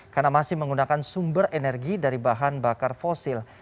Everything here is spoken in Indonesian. karena masih menggunakan sumber energi dari bahan bakar fosil